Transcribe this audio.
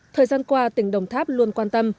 thời gian qua tỉnh đồng tháp luôn quan tâm